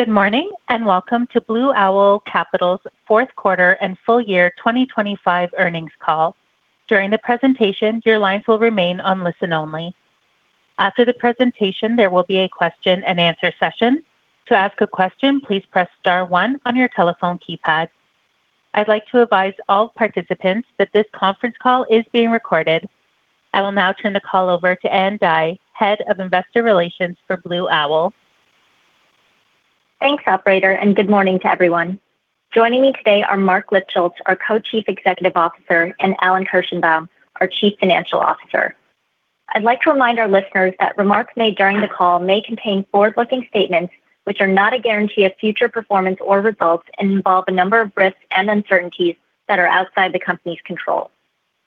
Good morning, and welcome to Blue Owl Capital's fourth quarter and full year 2025 earnings call. During the presentation, your lines will remain on listen-only. After the presentation, there will be a question-and-answer session. To ask a question, please press star one on your telephone keypad. I'd like to advise all participants that this conference call is being recorded. I will now turn the call over to Ann Dai, Head of Investor Relations for Blue Owl. Thanks, operator, and good morning to everyone. Joining me today are Marc Lipschultz, our Co-Chief Executive Officer, and Alan Kirshenbaum, our Chief Financial Officer. I'd like to remind our listeners that remarks made during the call may contain forward-looking statements, which are not a guarantee of future performance or results and involve a number of risks and uncertainties that are outside the company's control.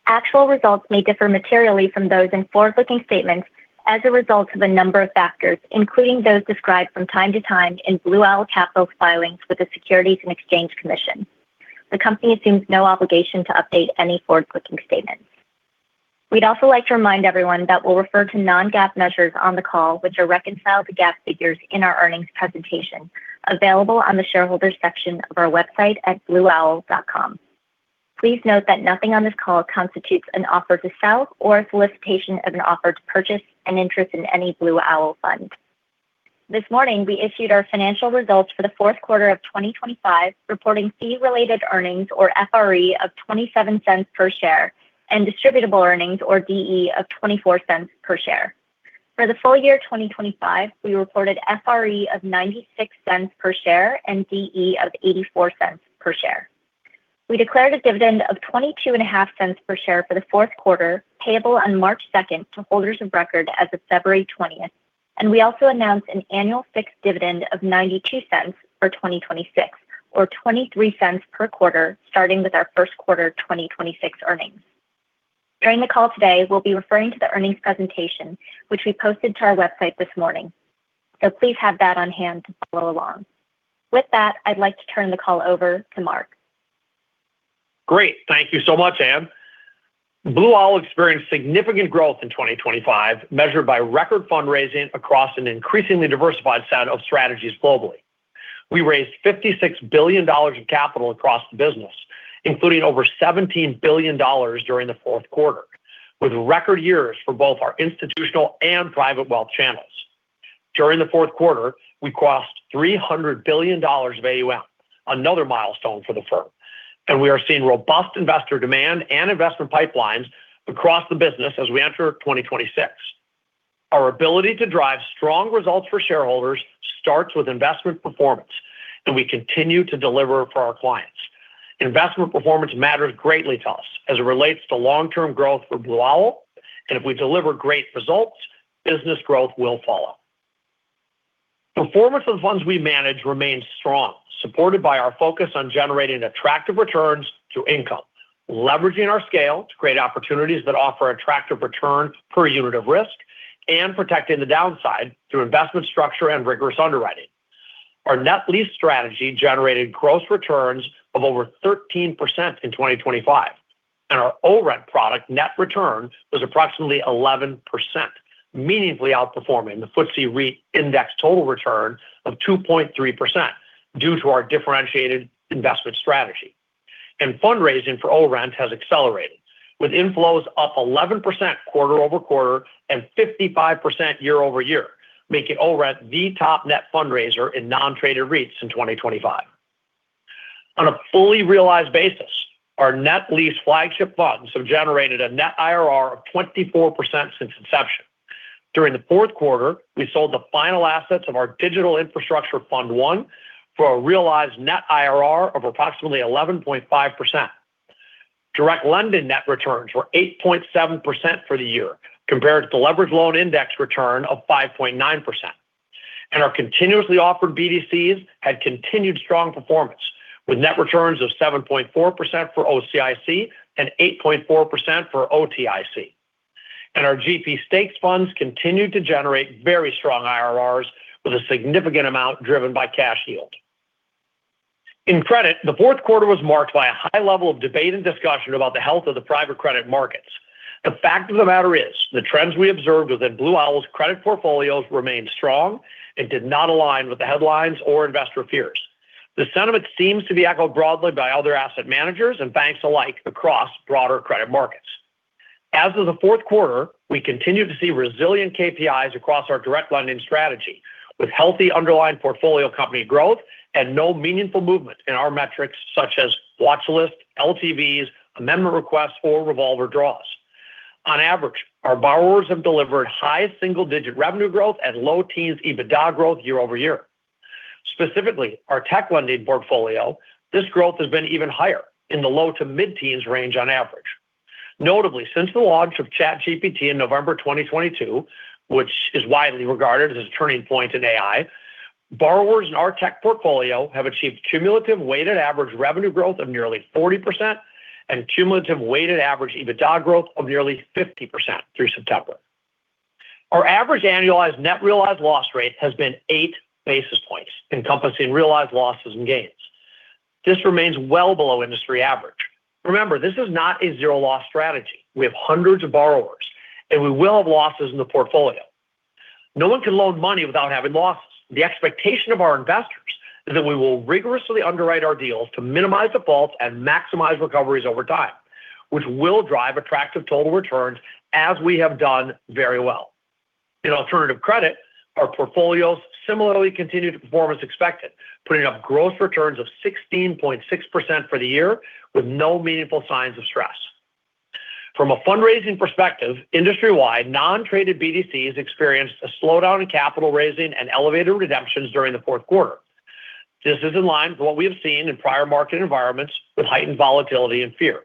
Actual results may differ materially from those in forward-looking statements as a result of a number of factors, including those described from time to time in Blue Owl Capital's filings with the Securities and Exchange Commission. The company assumes no obligation to update any forward-looking statements. We'd also like to remind everyone that we'll refer to non-GAAP measures on the call, which are reconciled to GAAP figures in our earnings presentation, available on the Shareholders section of our website at blueowl.com. Please note that nothing on this call constitutes an offer to sell or a solicitation of an offer to purchase an interest in any Blue Owl fund. This morning, we issued our financial results for the fourth quarter of 2025, reporting fee-related earnings or FRE of $0.27 per share and distributable earnings, or DE, of $0.24 per share. For the full year 2025, we reported FRE of $0.96 per share and DE of $0.84 per share. We declared a dividend of $0.225 per share for the fourth quarter, payable on March 2 to holders of record as of February 20, and we also announced an annual fixed dividend of $0.92 for 2026, or $0.23 per quarter, starting with our first quarter 2026 earnings. During the call today, we'll be referring to the earnings presentation, which we posted to our website this morning. Please have that on hand to follow along. With that, I'd like to turn the call over to Marc. Great. Thank you so much, Ann. Blue Owl experienced significant growth in 2025, measured by record fundraising across an increasingly diversified set of strategies globally. We raised $56 billion of capital across the business, including over $17 billion during the fourth quarter, with record years for both our institutional and private wealth channels. During the fourth quarter, we crossed $300 billion of AUM, another milestone for the firm, and we are seeing robust investor demand and investment pipelines across the business as we enter 2026. Our ability to drive strong results for shareholders starts with investment performance, and we continue to deliver for our clients. Investment performance matters greatly to us as it relates to long-term growth for Blue Owl, and if we deliver great results, business growth will follow. Performance of the funds we manage remains strong, supported by our focus on generating attractive returns to income, leveraging our scale to create opportunities that offer attractive return per unit of risk, and protecting the downside through investment structure and rigorous underwriting. Our net lease strategy generated gross returns of over 13% in 2025, and our ORENT product net return was approximately 11%, meaningfully outperforming the FTSE REIT Index total return of 2.3% due to our differentiated investment strategy. Fundraising for ORENT has accelerated, with inflows up 11% quarter-over-quarter and 55% year-over-year, making ORENT the top net fundraiser in non-traded REITs in 2025. On a fully realized basis, our net lease flagship funds have generated a net IRR of 24% since inception. During the fourth quarter, we sold the final assets of our Digital Infrastructure Fund I for a realized net IRR of approximately 11.5%. Direct lending net returns were 8.7% for the year, compared to the leveraged loan index return of 5.9%, and our continuously offered BDCs had continued strong performance, with net returns of 7.4% for OCIC and 8.4% for OTIC. Our GP stakes funds continued to generate very strong IRRs, with a significant amount driven by cash yield. In credit, the fourth quarter was marked by a high level of debate and discussion about the health of the private credit markets. The fact of the matter is, the trends we observed within Blue Owl's credit portfolios remained strong and did not align with the headlines or investor fears. The sentiment seems to be echoed broadly by other asset managers and banks alike across broader credit markets. As of the fourth quarter, we continue to see resilient KPIs across our direct lending strategy, with healthy underlying portfolio company growth and no meaningful movement in our metrics such as watch list, LTVs, amendment requests, or revolver draws. On average, our borrowers have delivered high single-digit revenue growth and low teens EBITDA growth year-over-year. Specifically, our tech lending portfolio, this growth has been even higher in the low to mid-teens range on average. Notably, since the launch of ChatGPT in November 2022, which is widely regarded as a turning point in AI, borrowers in our tech portfolio have achieved cumulative weighted average revenue growth of nearly 40% and cumulative weighted average EBITDA growth of nearly 50% through September. Our average annualized net realized loss rate has been 8 basis points, encompassing realized losses and gains... This remains well below industry average. Remember, this is not a zero loss strategy. We have hundreds of borrowers, and we will have losses in the portfolio. No one can loan money without having losses. The expectation of our investors is that we will rigorously underwrite our deals to minimize defaults and maximize recoveries over time, which will drive attractive total returns, as we have done very well. In alternative credit, our portfolios similarly continued to perform as expected, putting up gross returns of 16.6% for the year, with no meaningful signs of stress. From a fundraising perspective, industry-wide, non-traded BDCs experienced a slowdown in capital raising and elevated redemptions during the fourth quarter. This is in line with what we have seen in prior market environments with heightened volatility and fear.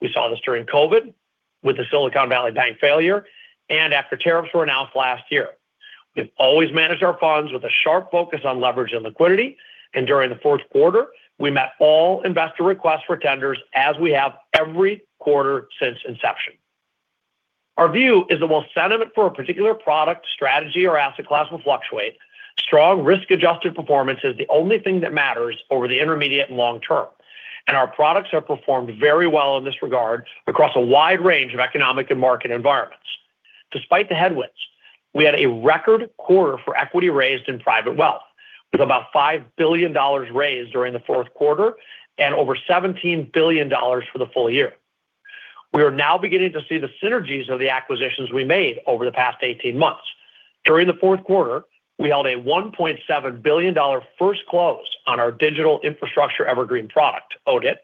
We saw this during COVID, with the Silicon Valley Bank failure, and after tariffs were announced last year. We've always managed our funds with a sharp focus on leverage and liquidity, and during the fourth quarter, we met all investor requests for tenders as we have every quarter since inception. Our view is that while sentiment for a particular product, strategy, or asset class will fluctuate, strong risk-adjusted performance is the only thing that matters over the intermediate and long term, and our products have performed very well in this regard across a wide range of economic and market environments. Despite the headwinds, we had a record quarter for equity raised in private wealth, with about $5 billion raised during the fourth quarter and over $17 billion for the full year. We are now beginning to see the synergies of the acquisitions we made over the past 18 months. During the fourth quarter, we held a $1.7 billion first close on our digital infrastructure evergreen product, ODIT,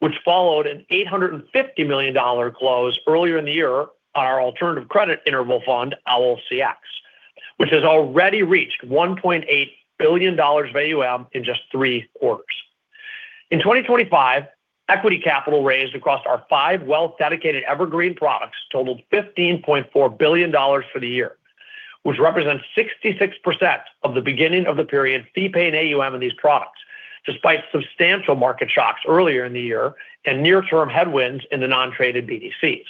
which followed an $850 million close earlier in the year on our alternative credit interval fund, LLCX, which has already reached $1.8 billion of AUM in just three quarters. In 2025, equity capital raised across our five wealth-dedicated evergreen products totaled $15.4 billion for the year, which represents 66% of the beginning of the period fee paid AUM in these products, despite substantial market shocks earlier in the year and near-term headwinds in the non-traded BDCs.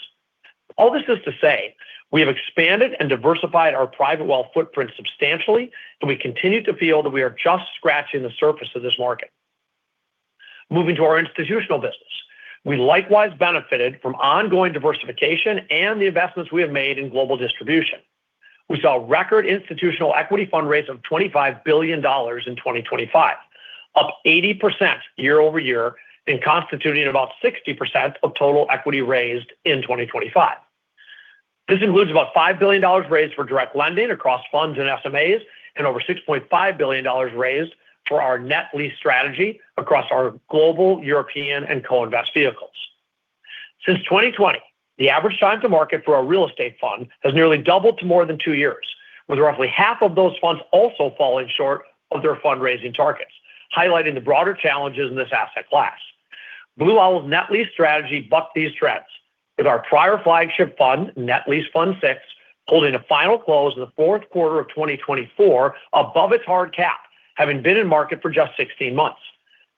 All this is to say, we have expanded and diversified our private wealth footprint substantially, and we continue to feel that we are just scratching the surface of this market. Moving to our institutional business. We likewise benefited from ongoing diversification and the investments we have made in global distribution. We saw record institutional equity fund raise of $25 billion in 2025, up 80% year-over-year, and constituting about 60% of total equity raised in 2025. This includes about $5 billion raised for direct lending across funds and SMAs, and over $6.5 billion raised for our net lease strategy across our global, European, and co-invest vehicles. Since 2020, the average time to market for a real estate fund has nearly doubled to more than two years, with roughly half of those funds also falling short of their fundraising targets, highlighting the broader challenges in this asset class. Blue Owl's net lease strategy bucked these trends, with our prior flagship fund, Net Lease Fund VI, pulling a final close in the fourth quarter of 2024 above its hard cap, having been in market for just 16 months.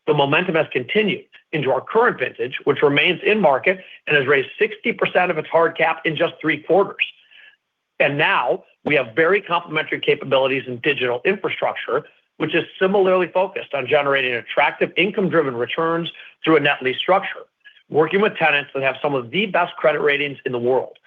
The momentum has continued into our current vintage, which remains in market and has raised 60% of its hard cap in just three quarters. Now we have very complementary capabilities in digital infrastructure, which is similarly focused on generating attractive income-driven returns through a net lease structure, working with tenants that have some of the best credit ratings in the world.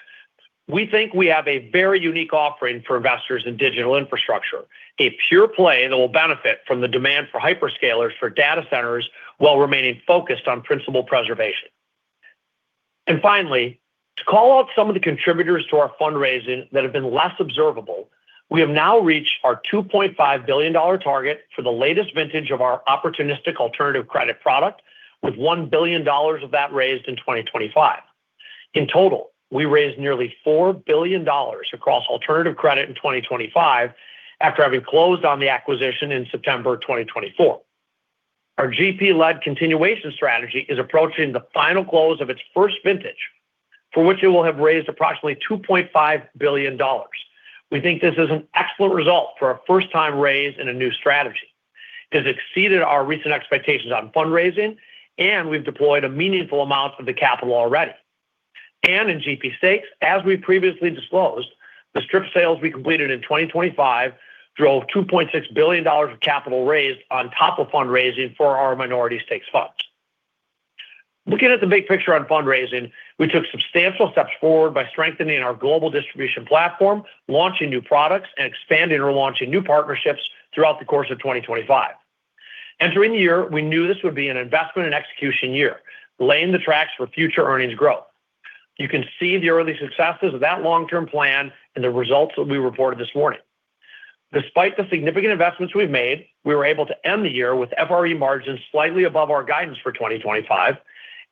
We think we have a very unique offering for investors in digital infrastructure, a pure play that will benefit from the demand for hyperscalers for data centers while remaining focused on principal preservation. And finally, to call out some of the contributors to our fundraising that have been less observable, we have now reached our $2.5 billion target for the latest vintage of our opportunistic alternative credit product, with $1 billion of that raised in 2025. In total, we raised nearly $4 billion across alternative credit in 2025 after having closed on the acquisition in September 2024. Our GP-led continuation strategy is approaching the final close of its first vintage, for which it will have raised approximately $2.5 billion. We think this is an excellent result for a first-time raise in a new strategy. It has exceeded our recent expectations on fundraising, and we've deployed a meaningful amount of the capital already. In GP stakes, as we previously disclosed, the strip sales we completed in 2025 drove $2.6 billion of capital raised on top of fundraising for our minority stakes funds. Looking at the big picture on fundraising, we took substantial steps forward by strengthening our global distribution platform, launching new products, and expanding or launching new partnerships throughout the course of 2025. Entering the year, we knew this would be an investment and execution year, laying the tracks for future earnings growth. You can see the early successes of that long-term plan and the results that we reported this morning. Despite the significant investments we've made, we were able to end the year with FRE margins slightly above our guidance for 2025.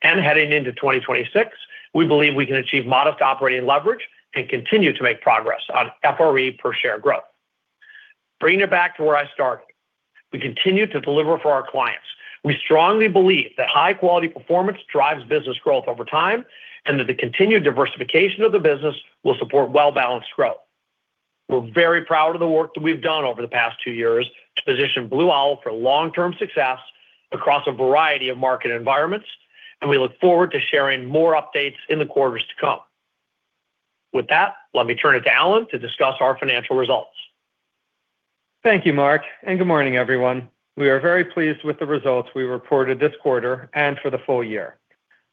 Heading into 2026, we believe we can achieve modest operating leverage and continue to make progress on FRE per share growth. Bringing it back to where I started, we continue to deliver for our clients. We strongly believe that high-quality performance drives business growth over time, and that the continued diversification of the business will support well-balanced growth. We're very proud of the work that we've done over the past two years to position Blue Owl for long-term success across a variety of market environments, and we look forward to sharing more updates in the quarters to come. With that, let me turn it to Alan to discuss our financial results. Thank you, Mark, and good morning, everyone. We are very pleased with the results we reported this quarter and for the full year.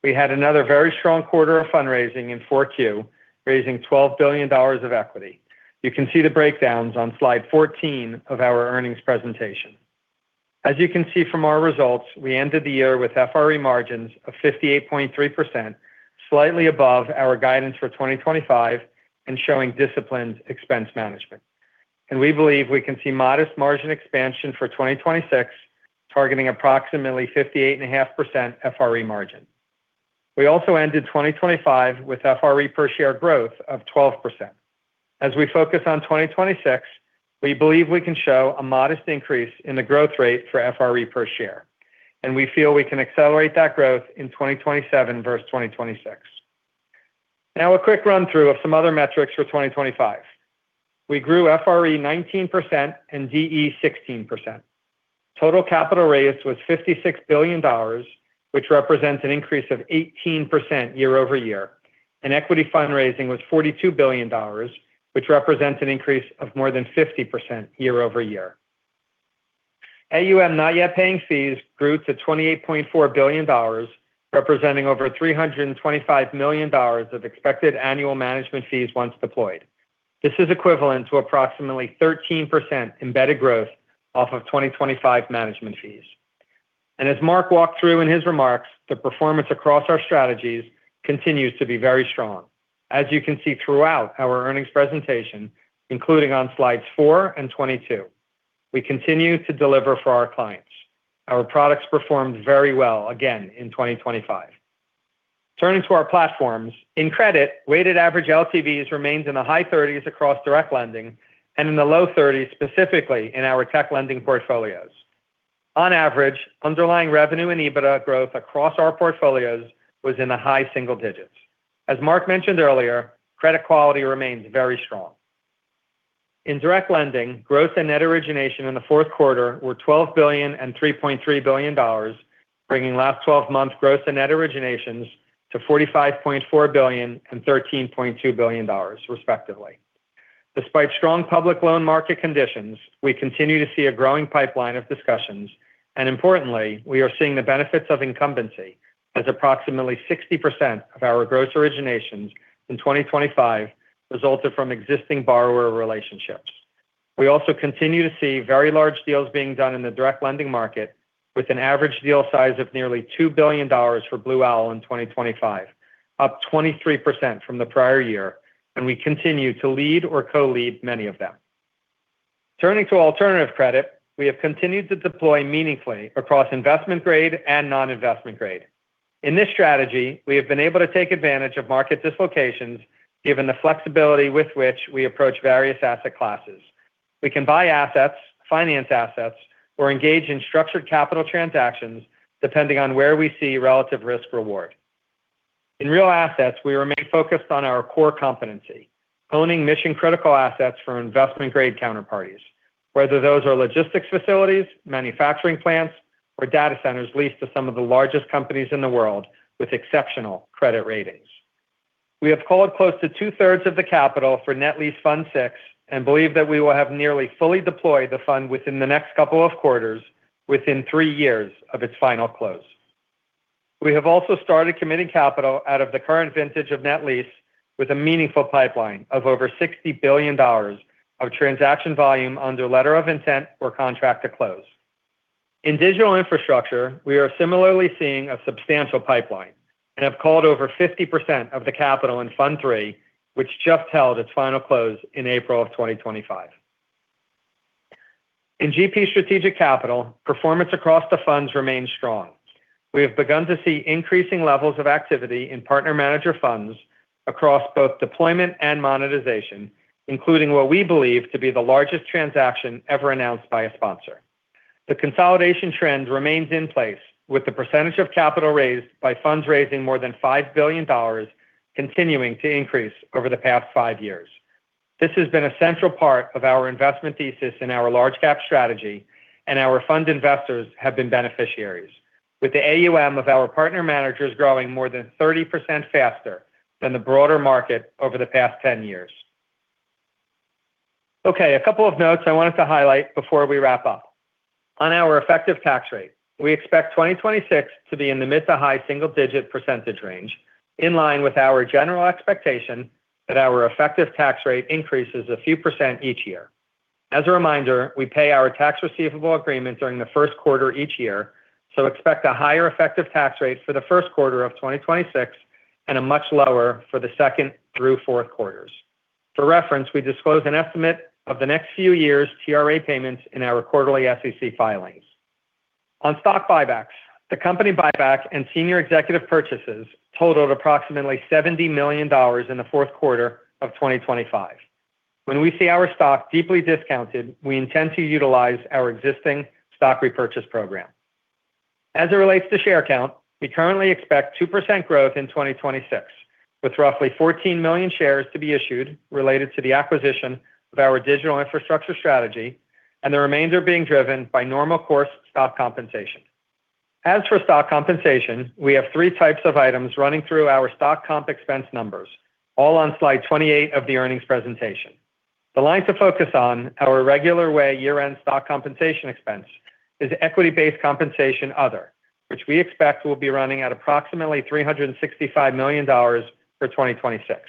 We had another very strong quarter of fundraising in Q4, raising $12 billion of equity. You can see the breakdowns on slide 14 of our earnings presentation. As you can see from our results, we ended the year with FRE margins of 58.3%, slightly above our guidance for 2025, and showing disciplined expense management. We believe we can see modest margin expansion for 2026, targeting approximately 58.5% FRE margin. We also ended 2025 with FRE per share growth of 12%. As we focus on 2026, we believe we can show a modest increase in the growth rate for FRE per share, and we feel we can accelerate that growth in 2027 versus 2026. Now, a quick run-through of some other metrics for 2025. We grew FRE 19% and DE 16%. Total capital raise was $56 billion, which represents an increase of 18% year-over-year, and equity fundraising was $42 billion, which represents an increase of more than 50% year-over-year. AUM, not yet paying fees, grew to $28.4 billion, representing over $325 million of expected annual management fees once deployed. This is equivalent to approximately 13% embedded growth off of 2025 management fees. As Marc walked through in his remarks, the performance across our strategies continues to be very strong. As you can see throughout our earnings presentation, including on slides four and 22, we continue to deliver for our clients. Our products performed very well again in 2025. Turning to our platforms, in credit, weighted average LTVs remains in the high-30s across direct lending and in the low-30s, specifically in our tech lending portfolios. On average, underlying revenue and EBITDA growth across our portfolios was in the high single digits. As Marc mentioned earlier, credit quality remains very strong. In direct lending, growth and net origination in the fourth quarter were $12 billion and $3.3 billion, bringing last 12 months growth and net originations to $45.4 billion and $13.2 billion, respectively. Despite strong public loan market conditions, we continue to see a growing pipeline of discussions, and importantly, we are seeing the benefits of incumbency as approximately 60% of our gross originations in 2025 resulted from existing borrower relationships. We also continue to see very large deals being done in the direct lending market, with an average deal size of nearly $2 billion for Blue Owl in 2025, up 23% from the prior year, and we continue to lead or co-lead many of them. Turning to alternative credit, we have continued to deploy meaningfully across investment grade and non-investment grade. In this strategy, we have been able to take advantage of market dislocations, given the flexibility with which we approach various asset classes. We can buy assets, finance assets, or engage in structured capital transactions, depending on where we see relative risk reward. In real assets, we remain focused on our core competency, owning mission-critical assets for investment-grade counterparties, whether those are logistics facilities, manufacturing plants, or data centers leased to some of the largest companies in the world with exceptional credit ratings. We have called close to 2/3 of the capital for Net Lease Fund VI and believe that we will have nearly fully deployed the fund within the next couple of quarters, within three years of its final close. We have also started committing capital out of the current vintage of Net Lease with a meaningful pipeline of over $60 billion of transaction volume under letter of intent or contract to close. In digital infrastructure, we are similarly seeing a substantial pipeline and have called over 50% of the capital in Fund III, which just held its final close in April of 2025. In GP Strategic Capital, performance across the funds remains strong. We have begun to see increasing levels of activity in partner manager funds across both deployment and monetization, including what we believe to be the largest transaction ever announced by a sponsor. The consolidation trend remains in place, with the percentage of capital raised by funds raising more than $5 billion continuing to increase over the past five years. This has been a central part of our investment thesis in our large cap strategy, and our fund investors have been beneficiaries, with the AUM of our partner managers growing more than 30% faster than the broader market over the past 10 years. Okay, a couple of notes I wanted to highlight before we wrap up. On our effective tax rate, we expect 2026 to be in the mid- to high single-digit percentage range, in line with our general expectation that our effective tax rate increases a few percent each year. As a reminder, we pay our tax receivable agreements during the first quarter each year, so expect a higher effective tax rate for the first quarter of 2026 and a much lower for the second through fourth quarters. For reference, we disclose an estimate of the next few years' TRA payments in our quarterly SEC filings. On stock buybacks, the company buyback and senior executive purchases totaled approximately $70 million in the fourth quarter of 2025. When we see our stock deeply discounted, we intend to utilize our existing stock repurchase program. As it relates to share count, we currently expect 2% growth in 2026, with roughly 14 million shares to be issued related to the acquisition of our digital infrastructure strategy, and the remainder being driven by normal course stock compensation. ...As for stock compensation, we have three types of items running through our stock comp expense numbers, all on slide 28 of the earnings presentation. The line to focus on, our regular way year-end stock compensation expense, is equity-based compensation other, which we expect will be running at approximately $365 million for 2026.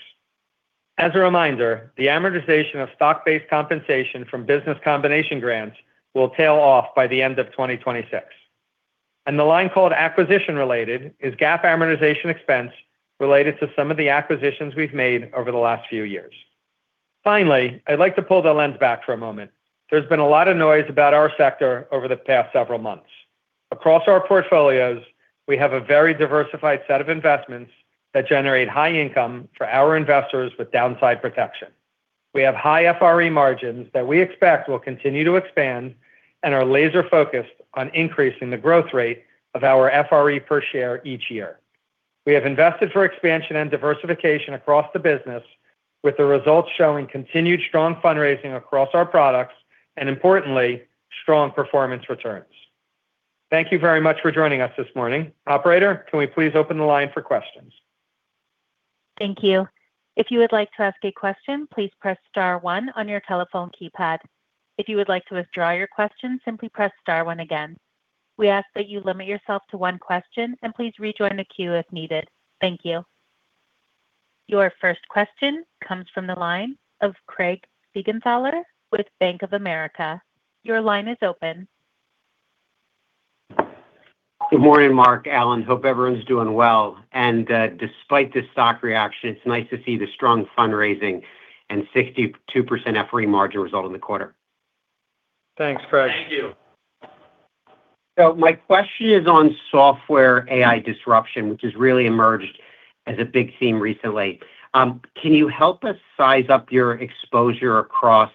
As a reminder, the amortization of stock-based compensation from business combination grants will tail off by the end of 2026, and the line called acquisition-related is GAAP amortization expense related to some of the acquisitions we've made over the last few years. Finally, I'd like to pull the lens back for a moment. There's been a lot of noise about our sector over the past several months. Across our portfolios, we have a very diversified set of investments that generate high income for our investors with downside protection. We have high FRE margins that we expect will continue to expand and are laser-focused on increasing the growth rate of our FRE per share each year. We have invested for expansion and diversification across the business, with the results showing continued strong fundraising across our products and, importantly, strong performance returns. Thank you very much for joining us this morning. Operator, can we please open the line for questions? Thank you. If you would like to ask a question, please press star one on your telephone keypad. If you would like to withdraw your question, simply press star one again. We ask that you limit yourself to one question and please rejoin the queue if needed. Thank you. Your first question comes from the line of Craig Siegenthaler with Bank of America. Your line is open. Good morning, Marc, Alan. Hope everyone's doing well. Despite this stock reaction, it's nice to see the strong fundraising and 62% FRE margin result in the quarter. Thanks, Craig. Thank you. So my question is on software AI disruption, which has really emerged as a big theme recently. Can you help us size up your exposure across,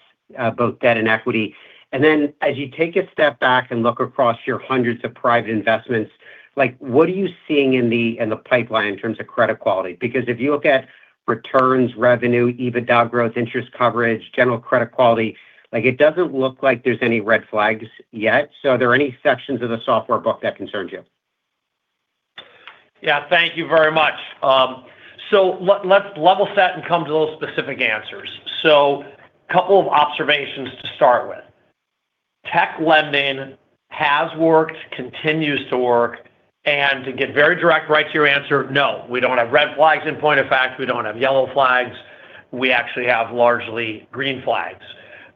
both debt and equity? And then as you take a step back and look across your hundreds of private investments, like, what are you seeing in the pipeline in terms of credit quality? Because if you look at returns, revenue, EBITDA growth, interest coverage, general credit quality, like, it doesn't look like there's any red flags yet. So are there any sections of the software book that concerns you? Yeah, thank you very much. So let's level set and come to those specific answers. So couple of observations to start with. Tech lending has worked, continues to work, and to get very direct right to your answer, no, we don't have red flags. In point of fact, we don't have yellow flags. We actually have largely green flags.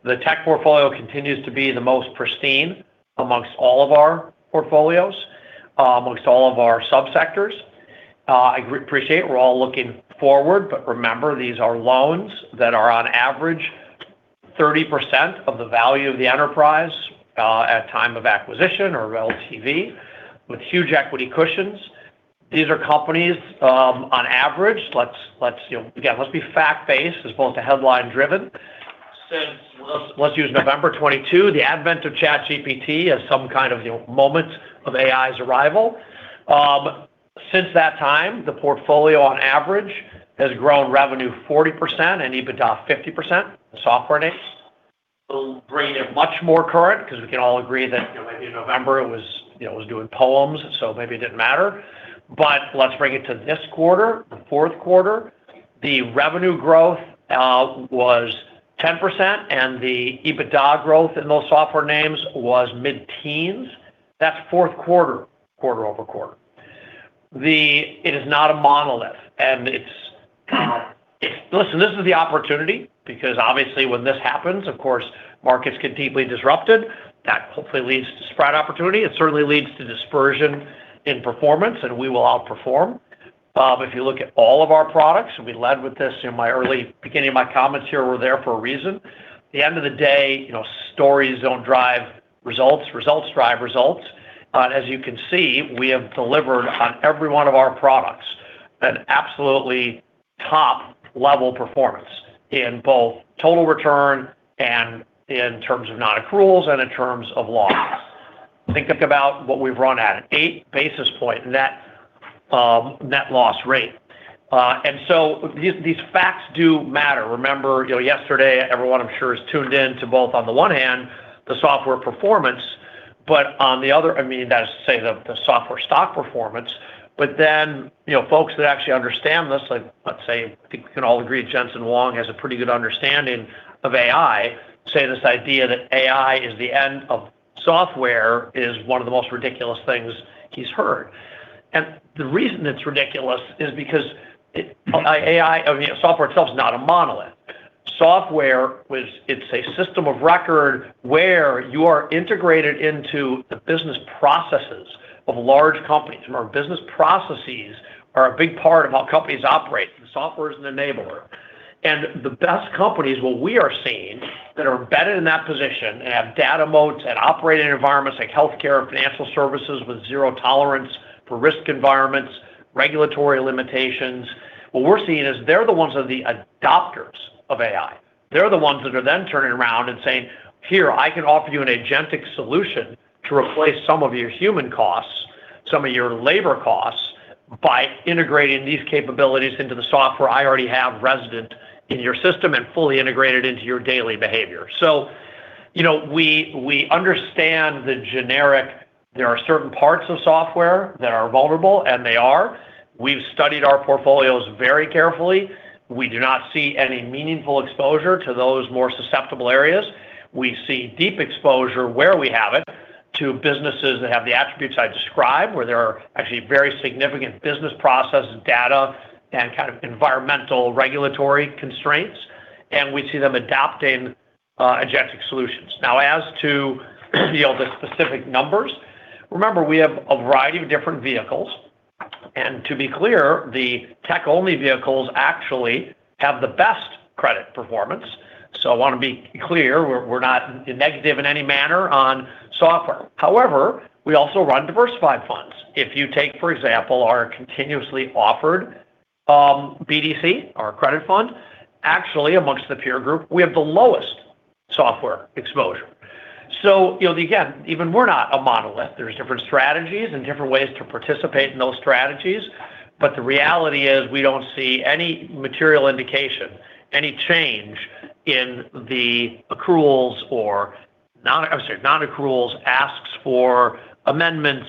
The tech portfolio continues to be the most pristine amongst all of our portfolios, amongst all of our subsectors. I appreciate we're all looking forward, but remember, these are loans that are on average 30% of the value of the enterprise, at time of acquisition or LTV with huge equity cushions. These are companies, on average, let's, you know, again, let's be fact-based as opposed to headline-driven. Let's, let's use November 2022, the advent of ChatGPT as some kind of, you know, moment of AI's arrival. Since that time, the portfolio on average has grown revenue 40% and EBITDA 50%. Software names. We'll bring it much more current because we can all agree that, you know, maybe in November it was, you know, it was doing poems, so maybe it didn't matter. But let's bring it to this quarter, the fourth quarter. The revenue growth was 10%, and the EBITDA growth in those software names was mid-teens. That's fourth quarter, quarter-over-quarter. It is not a monolith, and it's... Listen, this is the opportunity because obviously when this happens, of course, markets get deeply disrupted. That hopefully leads to spread opportunity. It certainly leads to dispersion in performance, and we will outperform. If you look at all of our products, we led with this in my early beginning of my comments here were there for a reason. At the end of the day, you know, stories don't drive results. Results drive results. As you can see, we have delivered on every one of our products an absolutely top-level performance in both total return and in terms of non-accruals and in terms of loss. Think about what we've run at an 8 basis point net net loss rate. And so these, these facts do matter. Remember, you know, yesterday, everyone I'm sure, is tuned in to both, on the one hand, the software performance, but on the other, I mean, that is to say, the software stock performance. But then, you know, folks that actually understand this, like, let's say, I think we can all agree Jensen Huang has a pretty good understanding of AI, say this idea that AI is the end of software is one of the most ridiculous things he's heard. And the reason it's ridiculous is because it, AI, I mean, software itself is not a monolith. Software, it's a system of record where you are integrated into the business processes of large companies. And our business processes are a big part of how companies operate. Software is an enabler. And the best companies, what we are seeing, that are embedded in that position and have data moats and operating environments like healthcare, financial services with zero tolerance for risk environments, regulatory limitations. What we're seeing is they're the ones that are the adopters of AI. They're the ones that are then turning around and saying: Here, I can offer you an agentic solution to replace some of your human costs, some of your labor costs, by integrating these capabilities into the software I already have resident in your system and fully integrated into your daily behavior. You know, we understand the generic. There are certain parts of software that are vulnerable, and they are. We've studied our portfolios very carefully. We do not see any meaningful exposure to those more susceptible areas. We see deep exposure where we have it, to businesses that have the attributes I described, where there are actually very significant business process, data, and kind of environmental regulatory constraints, and we see them adopting agentic solutions. Now, as to, you know, the specific numbers, remember, we have a variety of different vehicles, and to be clear, the tech-only vehicles actually have the best credit performance. So I wanna be clear, we're not negative in any manner on software. However, we also run diversified funds. If you take, for example, our continuously offered BDC, our credit fund, actually, amongst the peer group, we have the lowest software exposure. So, you know, again, even we're not a monolith. There's different strategies and different ways to participate in those strategies. But the reality is, we don't see any material indication, any change in the accruals or non- I'm sorry, non-accruals, asks for amendments.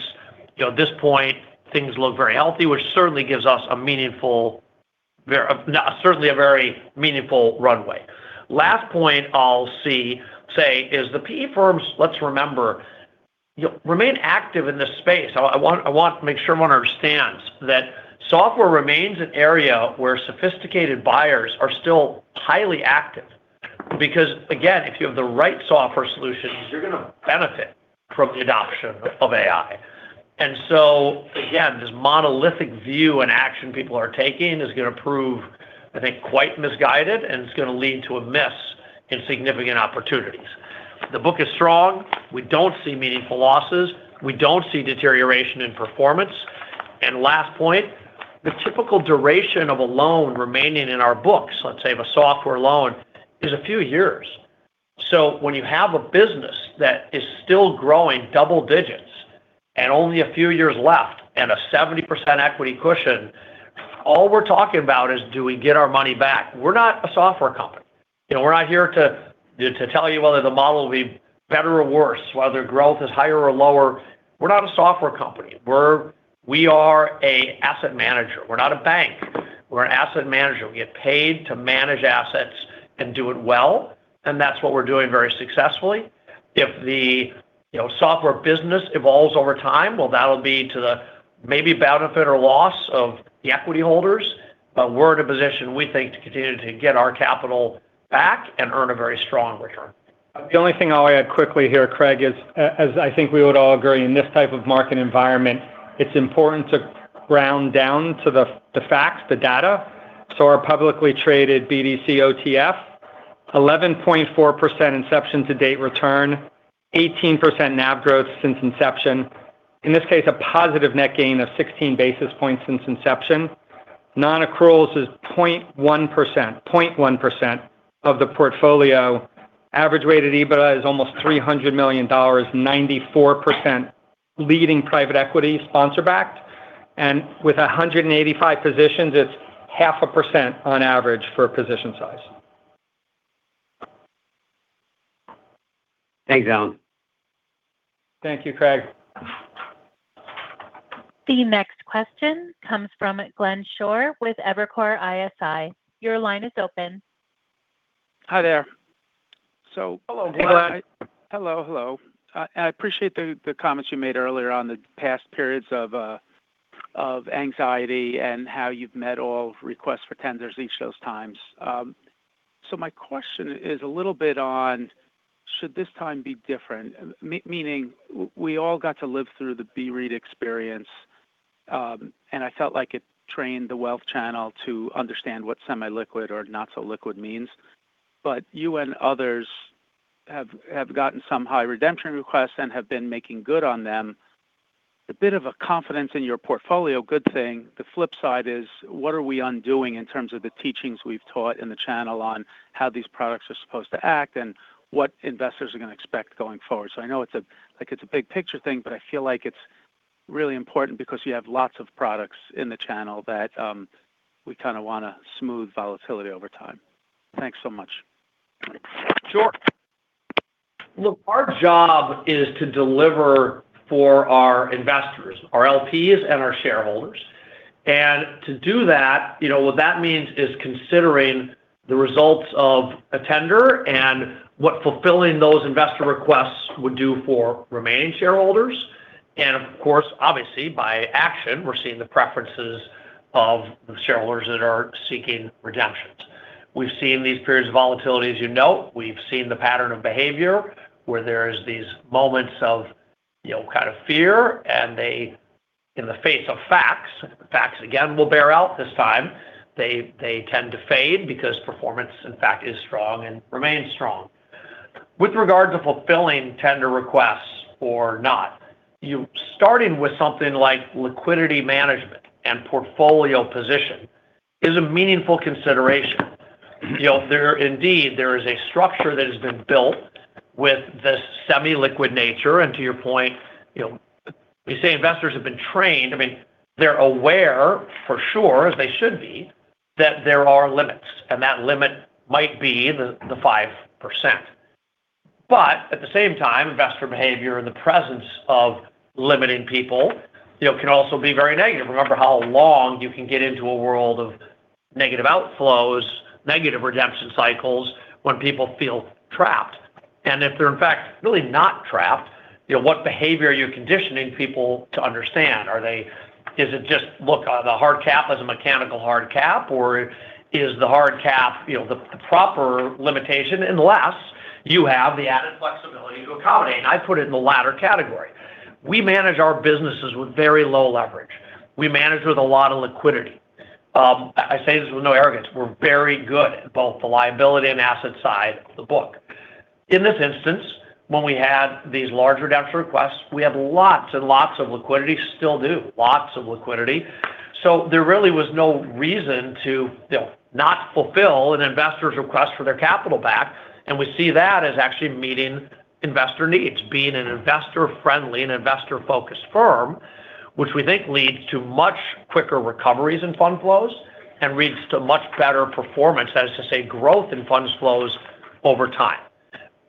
You know, at this point, things look very healthy, which certainly gives us a meaningful, certainly a very meaningful runway. Last point I'll say is the PE firms, let's remember, remain active in this space. I want, I want to make sure everyone understands that software remains an area where sophisticated buyers are still highly active. Because, again, if you have the right software solutions, you're gonna benefit from the adoption of AI. And so, again, this monolithic view and action people are taking is gonna prove, I think, quite misguided, and it's gonna lead to a miss in significant opportunities. The book is strong. We don't see meaningful losses. We don't see deterioration in performance. And last point, the typical duration of a loan remaining in our books, let's say of a software loan, is a few years. So when you have a business that is still growing double digits and only a few years left and a 70% equity cushion, all we're talking about is, do we get our money back? We're not a software company. You know, we're not here to tell you whether the model will be better or worse, whether growth is higher or lower. We're not a software company. We're—we are an asset manager. We're not a bank, we're an asset manager. We get paid to manage assets and do it well, and that's what we're doing very successfully. If the, you know, software business evolves over time, well, that'll be to the maybe benefit or loss of the equity holders, but we're in a position, we think, to continue to get our capital back and earn a very strong return. The only thing I'll add quickly here, Craig, is as I think we would all agree, in this type of market environment, it's important to ground down to the facts, the data. So our publicly traded BDC OTF, 11.4% inception to date return, 18% NAV growth since inception. In this case, a positive net gain of 16 basis points since inception. Non-accruals is 0.1%, 0.1% of the portfolio. Average weighted EBITDA is almost $300 million, 94% leading private equity, sponsor-backed, and with 185 positions, it's 0.5% on average for position size. Thanks, Alan. Thank you, Craig. The next question comes from Glenn Schorr with Evercore ISI. Your line is open. Hi there. Hello, Glenn. Hello, hello. I appreciate the comments you made earlier on the past periods of anxiety and how you've met all requests for tenders each of those times. So my question is a little bit on, should this time be different? Meaning, we all got to live through the BREIT experience, and I felt like it trained the wealth channel to understand what semi-liquid or not so liquid means. But you and others have gotten some high redemption requests and have been making good on them. A bit of a confidence in your portfolio, good thing. The flip side is, what are we undoing in terms of the teachings we've taught in the channel on how these products are supposed to act and what investors are gonna expect going forward? I know it's a, like, it's a big picture thing, but I feel like it's really important because you have lots of products in the channel that we kinda wanna smooth volatility over time. Thanks so much. Sure. Look, our job is to deliver for our investors, our LPs and our shareholders. And to do that, you know, what that means is considering the results of a tender and what fulfilling those investor requests would do for remaining shareholders. And of course, obviously, by action, we're seeing the preferences of shareholders that are seeking redemptions. We've seen these periods of volatility, as you know. We've seen the pattern of behavior, where there is these moments of, you know, kind of fear, and they, in the face of facts, facts again will bear out this time, they, they tend to fade because performance, in fact, is strong and remains strong. With regard to fulfilling tender requests or not, you - starting with something like liquidity management and portfolio position is a meaningful consideration. You know, there indeed, there is a structure that has been built with this semi-liquid nature, and to your point, you know, we say investors have been trained. I mean, they're aware, for sure, as they should be that there are limits, and that limit might be the, the 5%. But at the same time, investor behavior in the presence of limiting people, you know, can also be very negative. Remember how long you can get into a world of negative outflows, negative redemption cycles when people feel trapped. And if they're, in fact, really not trapped, you know, what behavior are you conditioning people to understand? Are they- Is it just, look, the hard cap as a mechanical hard cap, or is the hard cap, you know, the, the proper limitation, unless you have the added flexibility to accommodate? And I put it in the latter category. We manage our businesses with very low leverage. We manage with a lot of liquidity. I say this with no arrogance. We're very good at both the liability and asset side of the book. In this instance, when we had these large redemption requests, we have lots and lots of liquidity, still do, lots of liquidity. So there really was no reason to, you know, not fulfill an investor's request for their capital back, and we see that as actually meeting investor needs, being an investor-friendly and investor-focused firm, which we think leads to much quicker recoveries in fund flows and leads to much better performance, that is to say, growth in funds flows over time.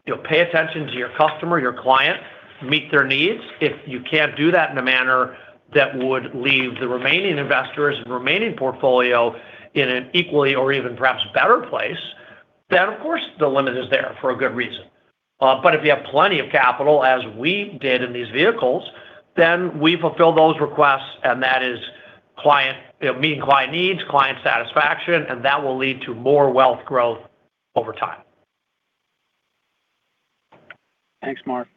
You know, pay attention to your customer, your client, meet their needs. If you can't do that in a manner that would leave the remaining investors and remaining portfolio in an equally or even perhaps better place, then, of course, the limit is there for a good reason. But if you have plenty of capital, as we did in these vehicles, then we fulfill those requests, and that is client, you know, meeting client needs, client satisfaction, and that will lead to more wealth growth over time. Thanks, Marc.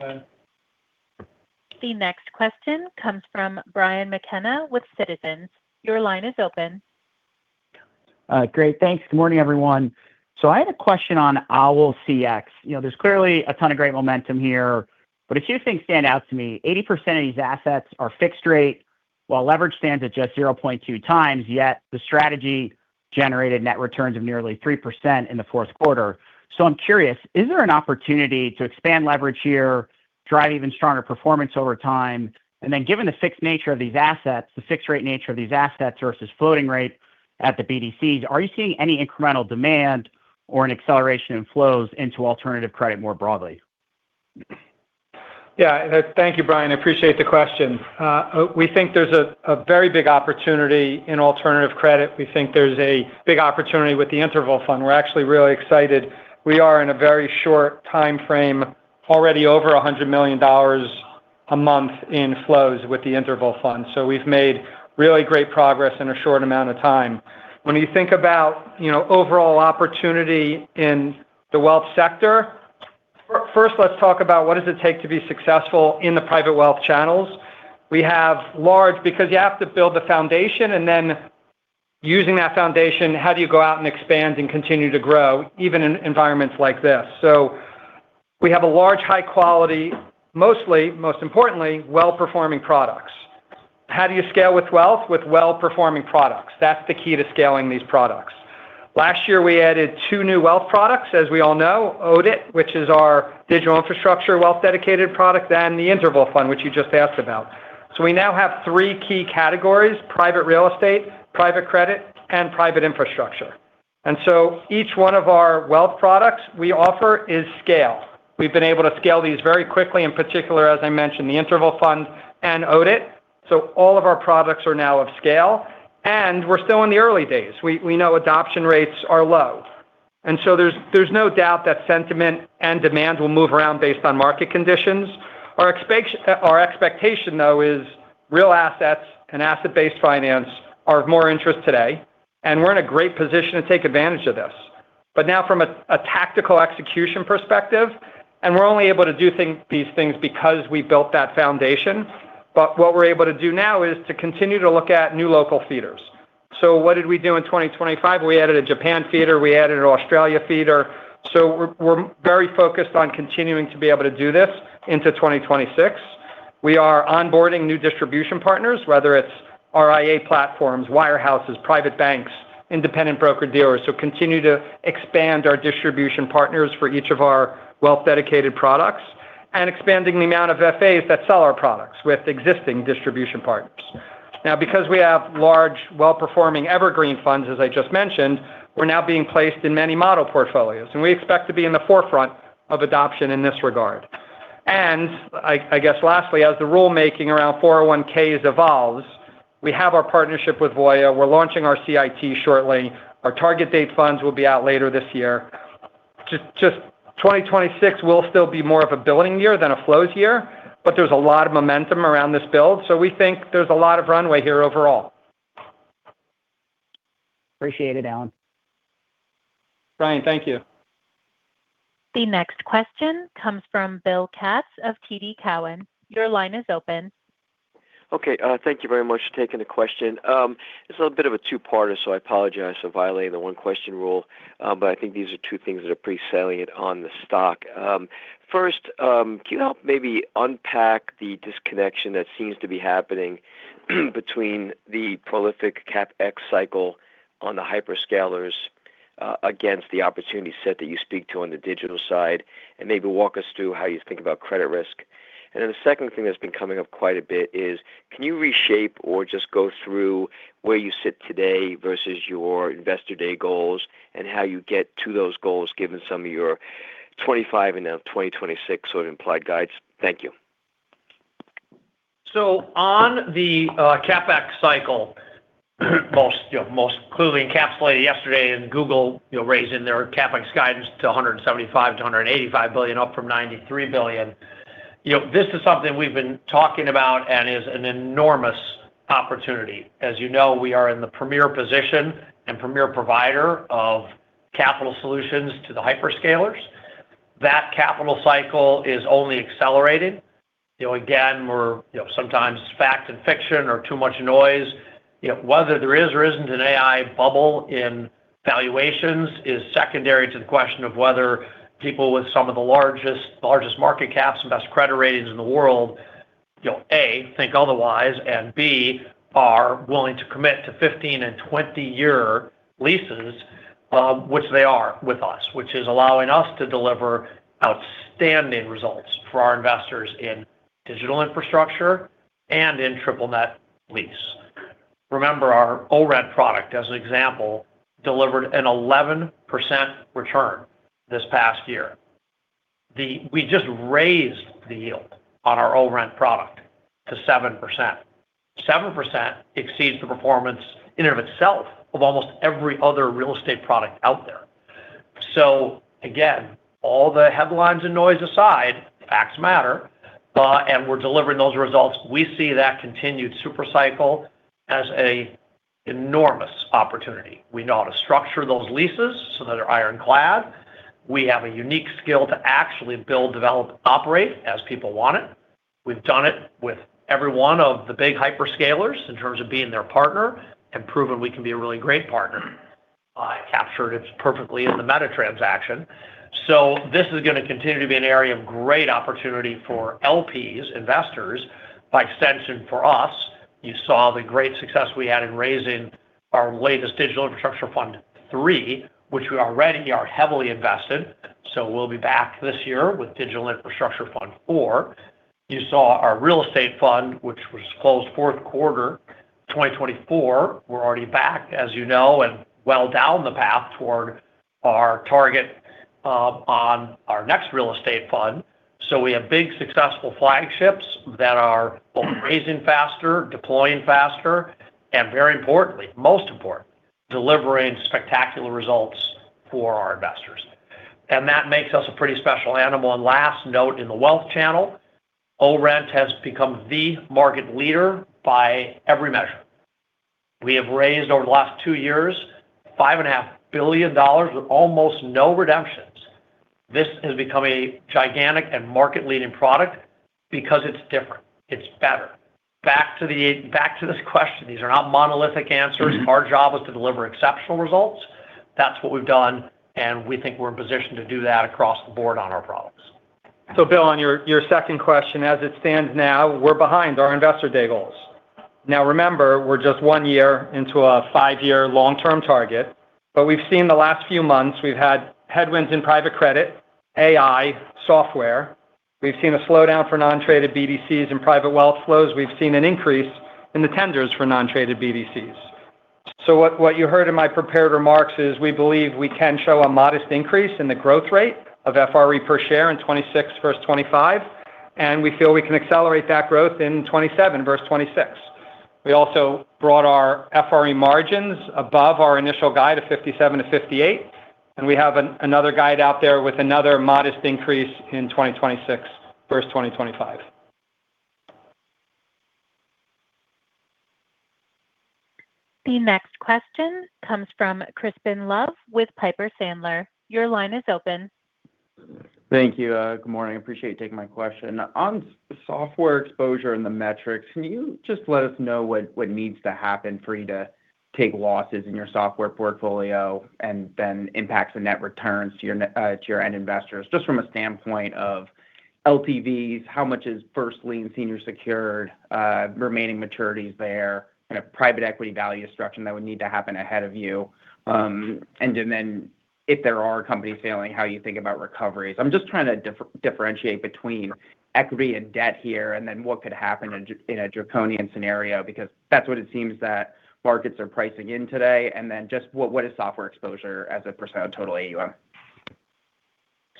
The next question comes from Brian McKenna with Citizens. Your line is open. Great. Thanks. Good morning, everyone. So I had a question on LLCX. You know, there's clearly a ton of great momentum here, but a few things stand out to me. 80% of these assets are fixed rate, while leverage stands at just 0.2x, yet the strategy generated net returns of nearly 3% in the fourth quarter. So I'm curious, is there an opportunity to expand leverage here, drive even stronger performance over time? And then, given the fixed nature of these assets, the fixed rate nature of these assets versus floating rate at the BDCs, are you seeing any incremental demand or an acceleration in flows into alternative credit more broadly? Yeah. Thank you, Brian. I appreciate the question. We think there's a very big opportunity in alternative credit. We think there's a big opportunity with the interval fund. We're actually really excited. We are, in a very short time frame, already over $100 million a month in flows with the interval fund. So we've made really great progress in a short amount of time. When you think about, you know, overall opportunity in the wealth sector, first, let's talk about what does it take to be successful in the private wealth channels. We have large, because you have to build the foundation, and then using that foundation, how do you go out and expand and continue to grow, even in environments like this? So we have a large, high quality, mostly, most importantly, well-performing products. How do you scale with wealth? With well-performing products. That's the key to scaling these products. Last year, we added two new wealth products, as we all know, ODIT, which is our digital infrastructure, wealth-dedicated product, then the interval fund, which you just asked about. So we now have three key categories: private real estate, private credit, and private infrastructure. And so each one of our wealth products we offer is scale. We've been able to scale these very quickly, in particular, as I mentioned, the interval fund and ODIT. So all of our products are now of scale, and we're still in the early days. We, we know adoption rates are low, and so there's, there's no doubt that sentiment and demand will move around based on market conditions. Our expectation, though, is real assets and asset-based finance are of more interest today, and we're in a great position to take advantage of this. But now from a tactical execution perspective, and we're only able to do these things because we built that foundation. But what we're able to do now is to continue to look at new local theaters. So what did we do in 2025? We added a Japan theater, we added an Australia theater. So we're very focused on continuing to be able to do this into 2026. We are onboarding new distribution partners, whether it's RIA platforms, wirehouses, private banks, independent broker-dealers, so continue to expand our distribution partners for each of our wealth-dedicated products and expanding the amount of FAs that sell our products with existing distribution partners. Now, because we have large, well-performing evergreen funds, as I just mentioned, we're now being placed in many model portfolios, and we expect to be in the forefront of adoption in this regard. I guess lastly, as the rulemaking around 401(k)s evolves, we have our partnership with Voya. We're launching our CIT shortly. Our target date funds will be out later this year. Just 2026 will still be more of a building year than a flows year, but there's a lot of momentum around this build, so we think there's a lot of runway here overall. Appreciate it, Alan. Brian, thank you. The next question comes from Bill Katz of TD Cowen. Your line is open. Okay, thank you very much for taking the question. It's a little bit of a two-parter, so I apologize for violating the one-question rule, but I think these are two things that are pretty salient on the stock. First, can you help maybe unpack the disconnection that seems to be happening between the prolific CapEx cycle on the hyperscalers against the opportunity set that you speak to on the digital side, and maybe walk us through how you think about credit risk. And then the second thing that's been coming up quite a bit is, can you reshape or just go through where you sit today versus your Investor Day goals, and how you get to those goals, given some of your 2025 and now 2026 sort of implied guides? Thank you. So on the CapEx cycle, most, you know, most clearly encapsulated yesterday in Google, you know, raising their CapEx guidance to $175 billion-$185 billion, up from $93 billion. You know, this is something we've been talking about and is an enormous opportunity. As you know, we are in the premier position and premier provider of capital solutions to the hyperscalers. That capital cycle is only accelerating. You know, again, we're, you know, sometimes fact and fiction are too much noise. You know, whether there is or isn't an AI bubble in valuations is secondary to the question of whether people with some of the largest, largest market caps and best credit ratings in the world, you know, A, think otherwise, and B, are willing to commit to 15- and 20-year leases, which they are with us. Which is allowing us to deliver outstanding results for our investors in digital infrastructure and in triple-net lease. Remember, our ORENT product, as an example, delivered an 11% return this past year. We just raised the yield on our ORENT product to 7%. 7% exceeds the performance in and of itself of almost every other real estate product out there. So again, all the headlines and noise aside, facts matter, and we're delivering those results. We see that continued super cycle as an enormous opportunity. We know how to structure those leases so that they're ironclad. We have a unique skill to actually build, develop, operate as people want it. We've done it with every one of the big hyperscalers in terms of being their partner and proven we can be a really great partner. Captured it perfectly in the Meta transaction. So this is gonna continue to be an area of great opportunity for LPs, investors. By extension, for us, you saw the great success we had in raising our latest digital infrastructure fund three, which we already are heavily invested. So we'll be back this year with Digital Infrastructure Fund IV. You saw our real estate fund, which was closed fourth quarter, 2024. We're already back, as you know, and well down the path toward our target, on our next real estate fund. So we have big successful flagships that are both raising faster, deploying faster, and very importantly, most important, delivering spectacular results for our investors. And that makes us a pretty special animal. And last note, in the wealth channel, ORENT has become the market leader by every measure. We have raised over the last 2 years, $5.5 billion with almost no redemptions. This has become a gigantic and market-leading product because it's different, it's better. Back to the—back to this question, these are not monolithic answers. Our job is to deliver exceptional results. That's what we've done, and we think we're in position to do that across the board on our products. So, Bill, on your, your second question, as it stands now, we're behind our Investor Day goals. Now, remember, we're just one year into a five-year long-term target, but we've seen the last few months, we've had headwinds in private credit, AI, software. We've seen a slowdown for non-traded BDCs and private wealth flows. We've seen an increase in the tenders for non-traded BDCs. So, what you heard in my prepared remarks is, we believe we can show a modest increase in the growth rate of FRE per share in 2026 versus 2025, and we feel we can accelerate that growth in 2027 versus 2026. We also brought our FRE margins above our initial guide of 57-58, and we have another guide out there with another modest increase in 2026 versus 2025. The next question comes from Crispin Love with Piper Sandler. Your line is open. Thank you. Good morning. I appreciate you taking my question. On software exposure and the metrics, can you just let us know what, what needs to happen for you to take losses in your software portfolio and then impacts the net returns to your end investors? Just from a standpoint of LTVs, how much is first lien senior secured, remaining maturities there, and a private equity value structure that would need to happen ahead of you? And then, if there are companies failing, how you think about recoveries. I'm just trying to differentiate between equity and debt here, and then what could happen in a draconian scenario, because that's what it seems that markets are pricing in today. And then just what, what is software exposure as a percent of total AUM?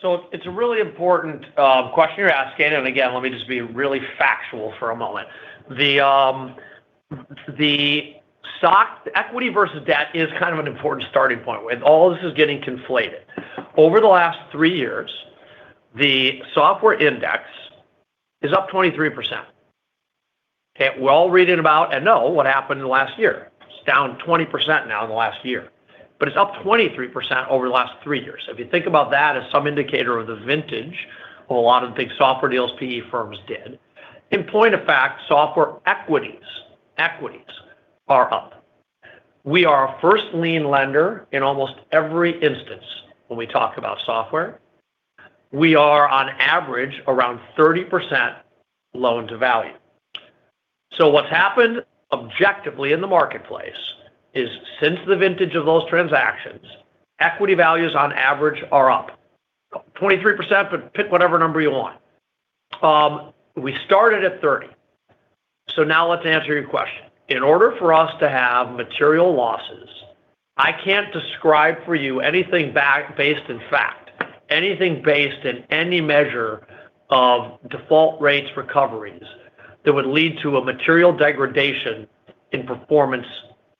So it's a really important question you're asking. Again, let me just be really factual for a moment. The stock equity versus debt is kind of an important starting point, and all this is getting conflated. Over the last three years, the software index is up 23%. Okay, we're all reading about and know what happened in the last year. It's down 20% now in the last year, but it's up 23% over the last three years. If you think about that as some indicator of the vintage of a lot of the big software deals PE firms did. In point of fact, software equities, equities are up. We are a first lien lender in almost every instance when we talk about software. We are, on average, around 30% loan-to-value.... So what's happened objectively in the marketplace is since the vintage of those transactions, equity values on average are up 23%, but pick whatever number you want. We started at 30. So now let's answer your question. In order for us to have material losses, I can't describe for you anything back based in fact, anything based in any measure of default rates recoveries that would lead to a material degradation in performance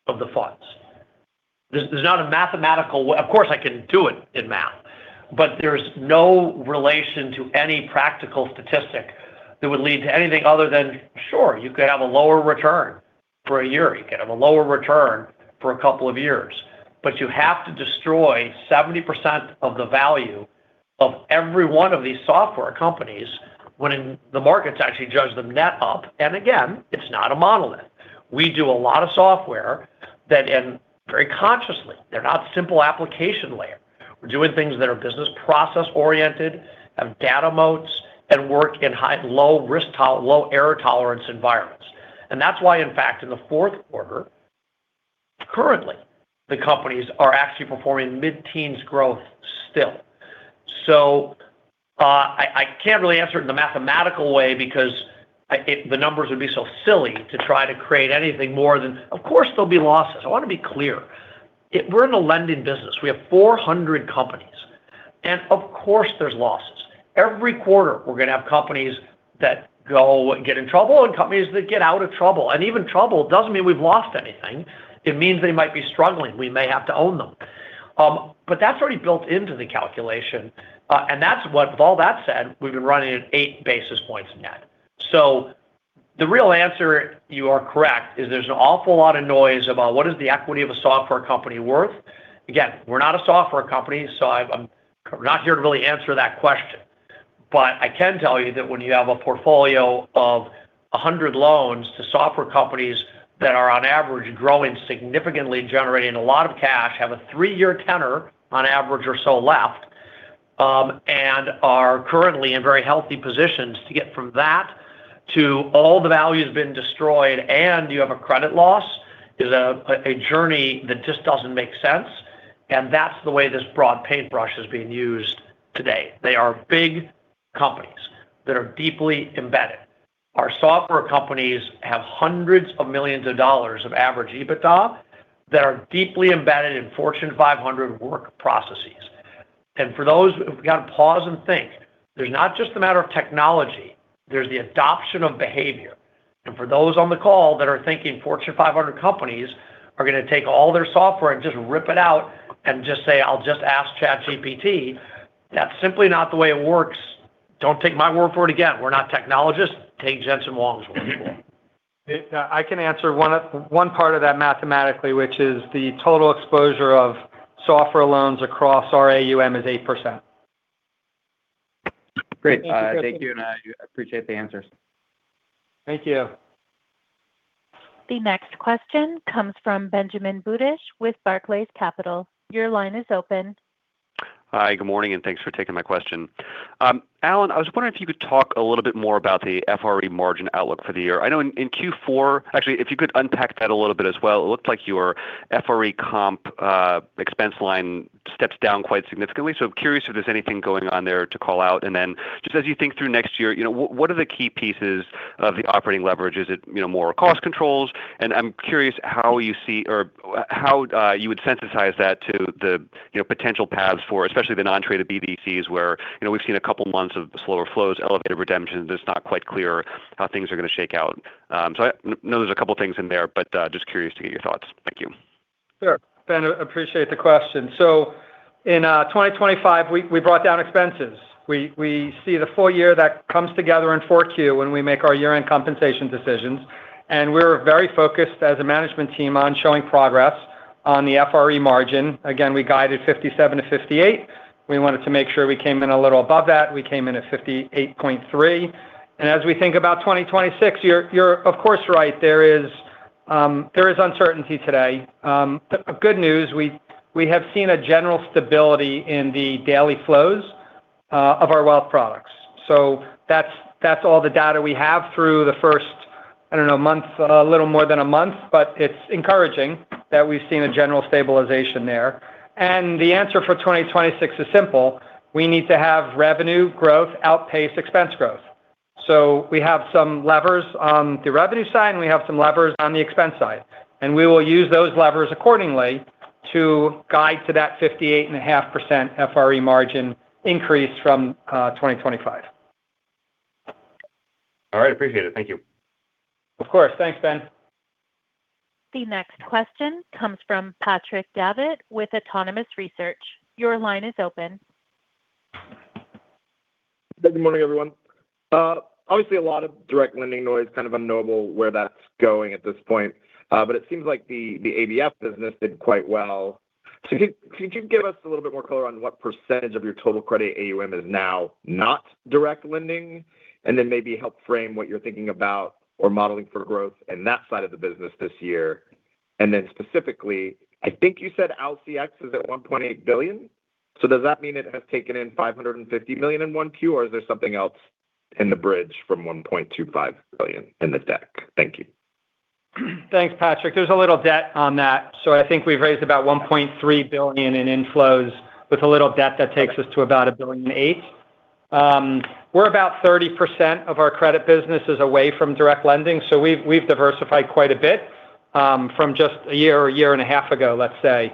of the funds. There's not a mathematical way, of course, I can do it in math, but there's no relation to any practical statistic that would lead to anything other than, sure, you could have a lower return for a year. You could have a lower return for a couple of years, but you have to destroy 70% of the value of every one of these software companies when the markets actually judge them net up. And again, it's not a monolith. We do a lot of software that, and very consciously, they're not simple application layer. We're doing things that are business process-oriented, have data moats, and work in low-risk to low-error tolerance environments. And that's why, in fact, in the fourth quarter, currently, the companies are actually performing mid-teens growth still. So, I can't really answer it in a mathematical way because the numbers would be so silly to try to create anything more than... Of course, there'll be losses. I want to be clear. We're in a lending business. We have 400 companies, and of course, there's losses. Every quarter, we're going to have companies that go and get in trouble and companies that get out of trouble. Even trouble doesn't mean we've lost anything. It means they might be struggling. We may have to own them. That's already built into the calculation, and that's what, with all that said, we've been running at eight basis points net. The real answer, you are correct, is there's an awful lot of noise about what is the equity of a software company worth. Again, we're not a software company, so I'm not here to really answer that question. But I can tell you that when you have a portfolio of 100 loans to software companies that are on average growing significantly and generating a lot of cash, have a three-year tenor on average or so left, and are currently in very healthy positions, to get from that to all the value has been destroyed and you have a credit loss, is a journey that just doesn't make sense, and that's the way this broad paintbrush is being used today. They are big companies that are deeply embedded. Our software companies have $hundreds of millions of average EBITDA that are deeply embedded in Fortune 500 work processes. And for those, we've got to pause and think. There's not just a matter of technology, there's the adoption of behavior. For those on the call that are thinking Fortune 500 companies are going to take all their software and just rip it out and just say: I'll just ask ChatGPT, that's simply not the way it works. Don't take my word for it. Again, we're not technologists. Take Jensen Huang's word for it. I can answer one part of that mathematically, which is the total exposure of software loans across our AUM is 8%. Great. Thank you, and I appreciate the answers. Thank you. The next question comes from Benjamin Budish with Barclays. Your line is open. Hi, good morning, and thanks for taking my question. Alan, I was wondering if you could talk a little bit more about the FRE margin outlook for the year. I know in Q4. Actually, if you could unpack that a little bit as well. It looked like your FRE comp expense line stepped down quite significantly. So curious if there's anything going on there to call out. And then, just as you think through next year, you know, what are the key pieces of the operating leverage? Is it, you know, more cost controls? And I'm curious how you see or how you would sensitize that to the, you know, potential paths for, especially the non-traded BDCs, where, you know, we've seen a couple of months of slower flows, elevated redemptions, it's not quite clear how things are going to shake out. So I know there's a couple of things in there, but just curious to get your thoughts. Thank you. Sure. Ben, I appreciate the question. So in 2025, we brought down expenses. We see the full year that comes together in 4Q when we make our year-end compensation decisions, and we're very focused as a management team on showing progress on the FRE margin. Again, we guided 57%-58%. We wanted to make sure we came in a little above that. We came in at 58.3%. And as we think about 2026, you're, of course, right, there is uncertainty today. The good news, we have seen a general stability in the daily flows of our wealth products. So that's all the data we have through the first, I don't know, month, a little more than a month, but it's encouraging that we've seen a general stabilization there. The answer for 2026 is simple: we need to have revenue growth outpace expense growth. So we have some levers on the revenue side, and we have some levers on the expense side, and we will use those levers accordingly to guide to that 58.5% FRE margin increase from 2025. All right, appreciate it. Thank you. Of course. Thanks, Ben. The next question comes from Patrick Davitt with Autonomous Research. Your line is open. Good morning, everyone. Obviously, a lot of direct lending noise, kind of unknowable where that's going at this point, but it seems like the ABF business did quite well. So could, could you give us a little bit more color on what percentage of your total credit AUM is now not direct lending, and then maybe help frame what you're thinking about or modeling for growth in that side of the business this year? And then specifically, I think you said LLCX is at $1.8 billion? So does that mean it has taken in $550 million in 1Q, or is there something else in the bridge from $1.25 billion in the deck? Thank you. Thanks, Patrick. There's a little debt on that. So I think we've raised about $1.3 billion in inflows. With a little debt, that takes us to about $1.008 billion. We're about 30% of our credit business is away from direct lending, so we've diversified quite a bit from just a year or a year and a half ago, let's say.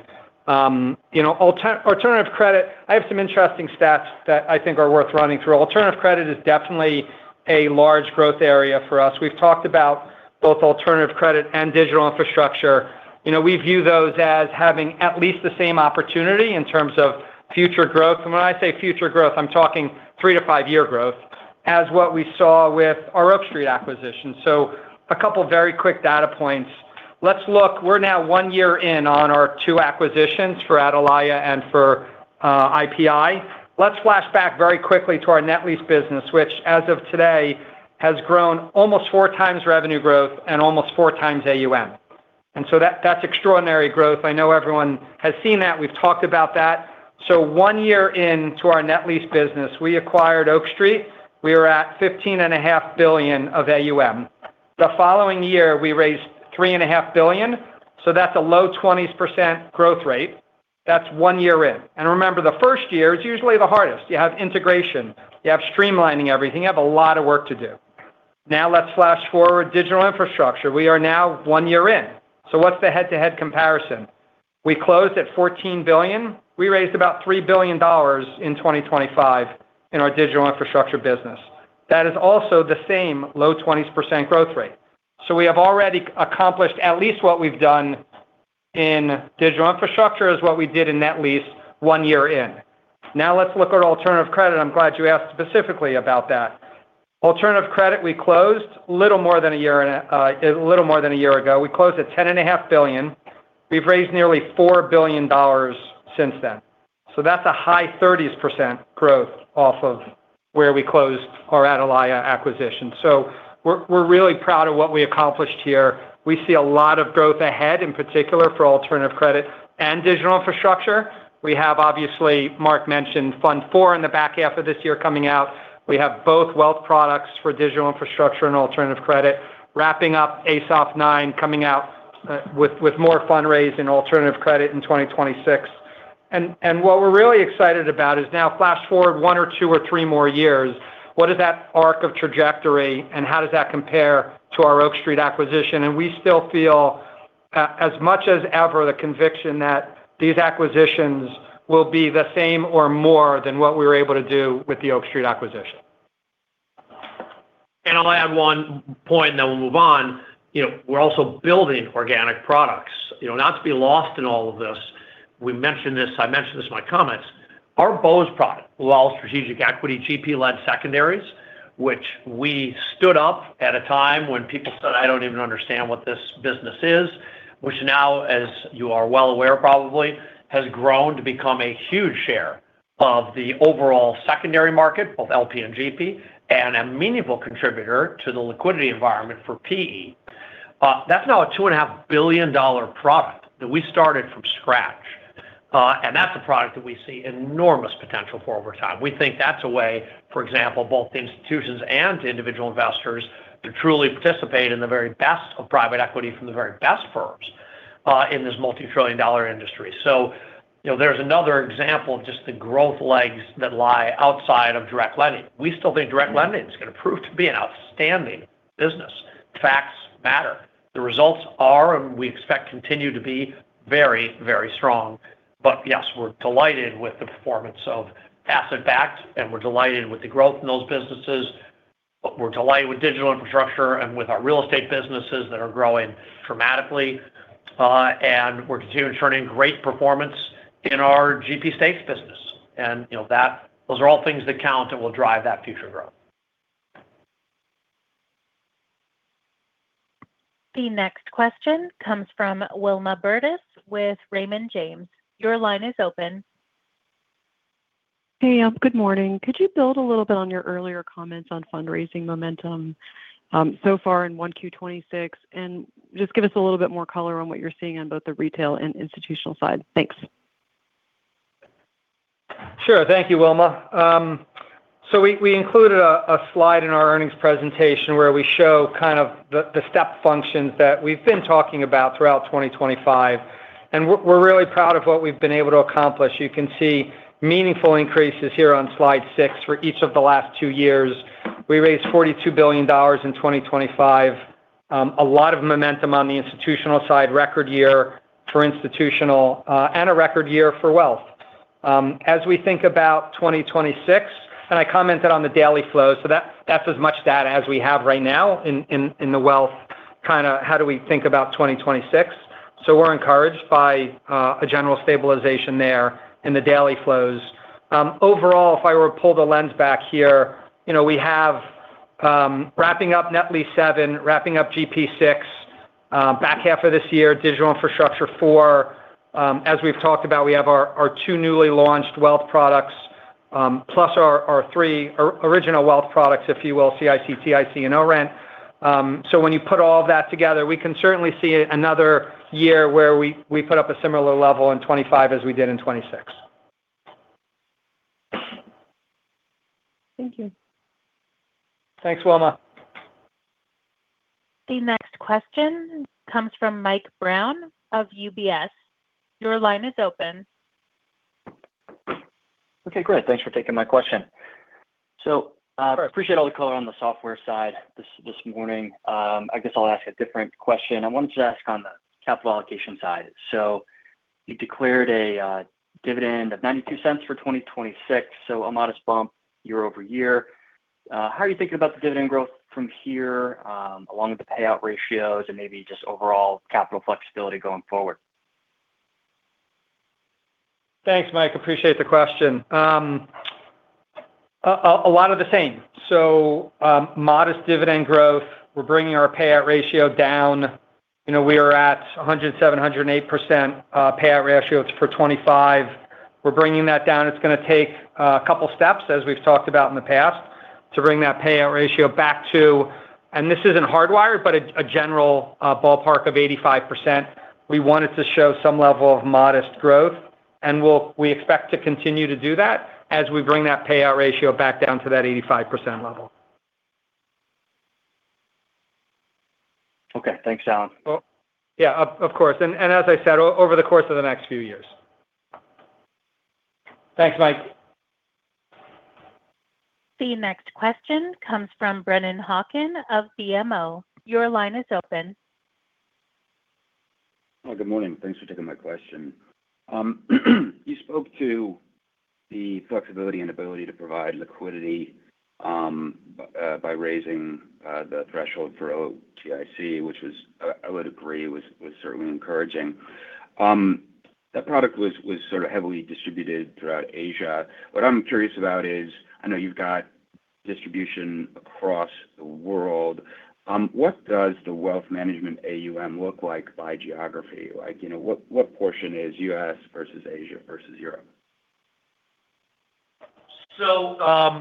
You know, alternative credit, I have some interesting stats that I think are worth running through. Alternative credit is definitely a large growth area for us. We've talked about both alternative credit and digital infrastructure. You know, we view those as having at least the same opportunity in terms of future growth. And when I say future growth, I'm talking three- to five-year growth, as what we saw with our Oak Street acquisition. So a couple of very quick data points. Let's look, we're now one year in on our two acquisitions for Atalaya and for IPI. Let's flash back very quickly to our net lease business, which, as of today, has grown almost 4x revenue growth and almost 4x AUM. And so that's extraordinary growth. I know everyone has seen that. We've talked about that. So one year in to our net lease business, we acquired Oak Street. We were at $15.5 billion of AUM. The following year, we raised $3.5 billion, so that's a low 20s percent growth rate. That's one year in. And remember, the first year is usually the hardest. You have integration, you have streamlining everything. You have a lot of work to do. Now, let's flash forward digital infrastructure. We are now one year in, so what's the head-to-head comparison? We closed at $14 billion. We raised about $3 billion in 2025 in our digital infrastructure business. That is also the same low 20s% growth rate. So we have already accomplished at least what we've done in digital infrastructure, as what we did in net lease one year in. Now, let's look at alternative credit. I'm glad you asked specifically about that. Alternative credit, we closed a little more than a year ago. We closed at $10.5 billion. We've raised nearly $4 billion since then. So that's a high 30s percent growth off of where we closed our Atalaya acquisition. So we're really proud of what we accomplished here. We see a lot of growth ahead, in particular for alternative credit and digital infrastructure. We have obviously, Marc mentioned Fund IV in the back half of this year coming out. We have both wealth products for digital infrastructure and alternative credit, wrapping up ASOP IX, coming out with more fundraising alternative credit in 2026. And what we're really excited about is now flash forward one or two or three more years, what is that arc of trajectory, and how does that compare to our Oak Street acquisition? And we still feel as much as ever the conviction that these acquisitions will be the same or more than what we were able to do with the Oak Street acquisition. I'll add one point, and then we'll move on. You know, we're also building organic products. You know, not to be lost in all of this, we mentioned this—I mentioned this in my comments. Our BOSE product, while strategic equity, GP led secondaries, which we stood up at a time when people said, "I don't even understand what this business is," which now, as you are well aware, probably, has grown to become a huge share of the overall secondary market, both LP and GP, and a meaningful contributor to the liquidity environment for PE. That's now a $2.5 billion product that we started from scratch, and that's a product that we see enormous potential for over time. We think that's a way, for example, both institutions and individual investors, to truly participate in the very best of private equity from the very best firms in this multi-trillion dollar industry. So, you know, there's another example of just the growth legs that lie outside of direct lending. We still think direct lending is gonna prove to be an outstanding business. Facts matter. The results are, and we expect, continue to be very, very strong. But yes, we're delighted with the performance of asset-backed, and we're delighted with the growth in those businesses. But we're delighted with digital infrastructure and with our real estate businesses that are growing dramatically. And we're continuing to turn in great performance in our GP stakes business. And, you know, those are all things that count and will drive that future growth. The next question comes from Wilma Burdis with Raymond James. Your line is open. Hey, good morning. Could you build a little bit on your earlier comments on fundraising momentum, so far in 1Q26? And just give us a little bit more color on what you're seeing on both the retail and institutional side. Thanks. Sure. Thank you, Wilma. So we included a slide in our earnings presentation, where we show kind of the step functions that we've been talking about throughout 2025, and we're really proud of what we've been able to accomplish. You can see meaningful increases here on slide six for each of the last two years. We raised $42 billion in 2025. A lot of momentum on the institutional side, record year for institutional, and a record year for wealth. As we think about 2026, and I commented on the daily flow, so that's as much data as we have right now in the wealth, kinda, how do we think about 2026? So we're encouraged by a general stabilization there in the daily flows. Overall, if I were to pull the lens back here, you know, we have wrapping up Net Lease VII, wrapping up GP VI, back half of this year, Digital Infrastructure IV. As we've talked about, we have our, our two newly launched wealth products. Plus our three original wealth products, if you will, OCIC, OTIC, and ORENT. So when you put all that together, we can certainly see another year where we put up a similar level in 2025 as we did in 2026. Thank you. Thanks, Wilma. The next question comes from Mike Brown of UBS. Your line is open. Okay, great. Thanks for taking my question. So, I appreciate all the color on the software side this morning. I guess I'll ask a different question. I wanted to ask on the capital allocation side. So you declared a dividend of $0.92 for 2026, so a modest bump year-over-year. How are you thinking about the dividend growth from here, along with the payout ratios and maybe just overall capital flexibility going forward? Thanks, Mike. Appreciate the question. A lot of the same. So, modest dividend growth, we're bringing our payout ratio down. You know, we are at 107%-108% payout ratios for 2025. We're bringing that down. It's gonna take a couple of steps, as we've talked about in the past, to bring that payout ratio back to... And this isn't hardwired, but a general ballpark of 85%. We want it to show some level of modest growth, and we'll- we expect to continue to do that as we bring that payout ratio back down to that 85% level. Okay. Thanks, Alan. Well, yeah, of course. And as I said, over the course of the next few years. Thanks, Mike. The next question comes from Brennan Hawkin of BMO. Your line is open. Hello, good morning. Thanks for taking my question. You spoke to the flexibility and ability to provide liquidity by raising the threshold for OTIC, which was, I would agree, certainly encouraging. That product was sort of heavily distributed throughout Asia. What I'm curious about is, I know you've got distribution across the world, what does the wealth management AUM look like by geography? Like, you know, what portion is U.S. versus Asia versus Europe? So,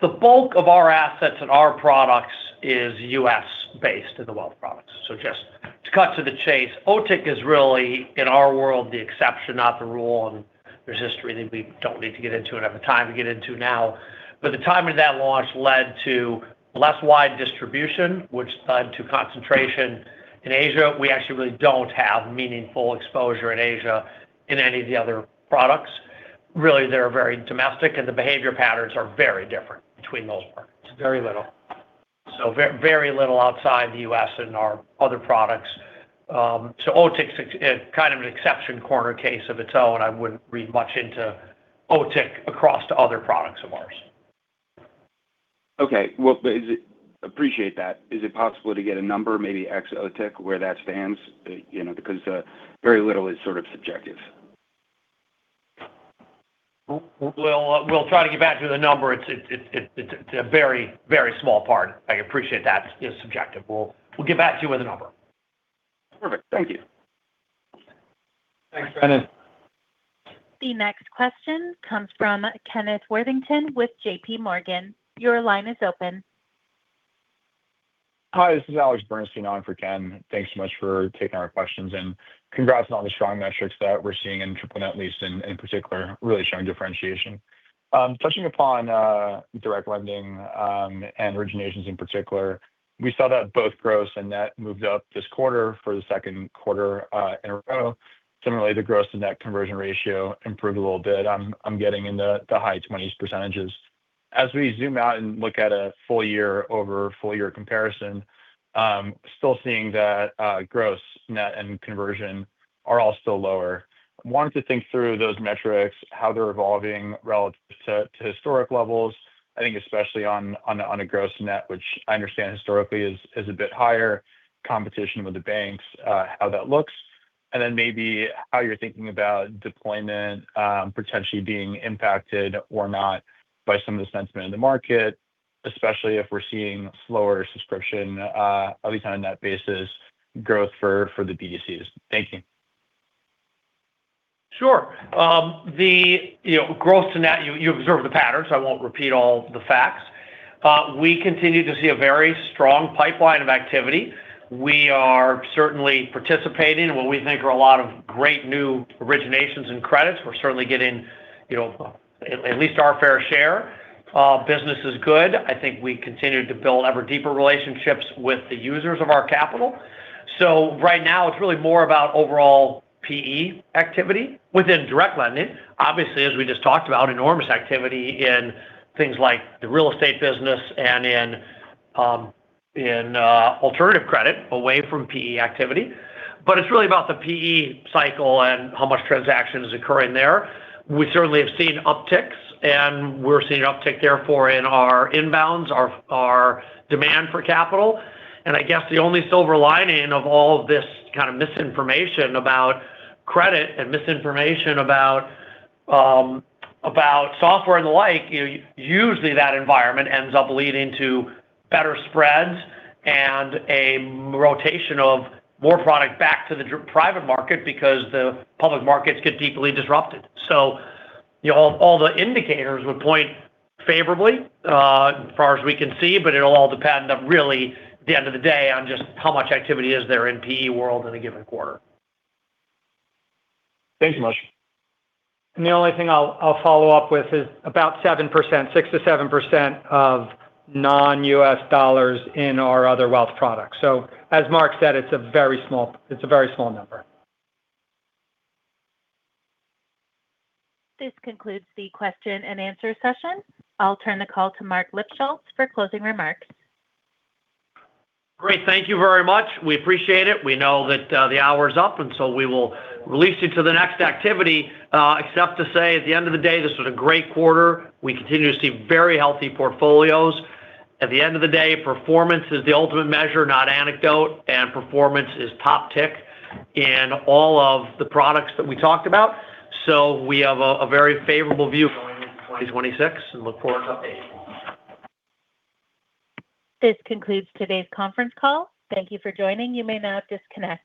the bulk of our assets and our products is U.S.-based in the wealth products. So just to cut to the chase, OTIC is really, in our world, the exception, not the rule, and there's history that we don't need to get into and have the time to get into now. But the timing of that launch led to less wide distribution, which led to concentration in Asia. We actually really don't have meaningful exposure in Asia in any of the other products. Really, they're very domestic, and the behavior patterns are very different between those products. Very little. So very little outside the U.S. and our other products. So OTIC's kind of an exception corner case of its own. I wouldn't read much into OTIC across to other products of ours. Okay. Well, but is it—appreciate that. Is it possible to get a number, maybe ex-OTIC, where that stands? You know, because very little is sort of subjective. We'll try to get back to the number. It's a very small part. I appreciate that. It's subjective. We'll get back to you with a number. Perfect. Thank you. Thanks, Brennan. The next question comes from Kenneth Worthington with JPMorgan. Your line is open. Hi, this is Alex Bernstein on for Ken. Thanks so much for taking our questions, and congrats on all the strong metrics that we're seeing in triple net lease, in particular, really showing differentiation. Touching upon direct lending, and originations in particular, we saw that both gross and net moved up this quarter for the second quarter in a row. Similarly, the gross and net conversion ratio improved a little bit. I'm getting in the high 20s%. As we zoom out and look at a full year over full year comparison, still seeing that gross, net, and conversion are all still lower. Wanted to think through those metrics, how they're evolving relative to historic levels. I think especially on a gross net, which I understand historically is a bit higher, competition with the banks, how that looks. And then maybe how you're thinking about deployment, potentially being impacted or not by some of the sentiment in the market, especially if we're seeing slower subscription, at least on a net basis, growth for the BDCs. Thank you. Sure. The, you know, growth to net you observed the patterns, so I won't repeat all the facts. We continue to see a very strong pipeline of activity. We are certainly participating in what we think are a lot of great new originations and credits. We're certainly getting, you know, at least our fair share. Business is good. I think we continue to build ever deeper relationships with the users of our capital. So right now, it's really more about overall PE activity within direct lending. Obviously, as we just talked about, enormous activity in things like the real estate business and in alternative credit away from PE activity. But it's really about the PE cycle and how much transaction is occurring there. We certainly have seen upticks, and we're seeing an uptick therefore in our inbounds, our demand for capital. I guess the only silver lining of all this kind of misinformation about credit and misinformation about, about software and the like, you know, usually that environment ends up leading to better spreads and a rotation of more product back to the private market because the public markets get deeply disrupted. So, you know, all, all the indicators would point favorably, as far as we can see, but it'll all depend on really, at the end of the day, on just how much activity is there in PE world in a given quarter. Thanks so much. The only thing I'll follow up with is about 7%, 6%-7% of non-U.S. dollars in our other wealth products. As Mark said, it's a very small number. This concludes the question and answer session. I'll turn the call to Marc Lipschultz for closing remarks. Great. Thank you very much. We appreciate it. We know that, the hour is up, and so we will release you to the next activity, except to say, at the end of the day, this was a great quarter. We continue to see very healthy portfolios. At the end of the day, performance is the ultimate measure, not anecdote, and performance is top tick in all of the products that we talked about. So we have a very favorable view going into 2026, and look forward to updating. This concludes today's conference call. Thank you for joining. You may now disconnect.